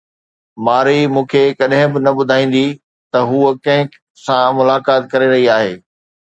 مارئي مون کي ڪڏهن به نه ٻڌائيندي ته هوءَ ڪنهن سان ملاقات ڪري رهي آهي.